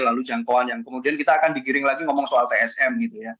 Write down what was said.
lalu jangkauan yang kemudian kita akan digiring lagi ngomong soal tsm gitu ya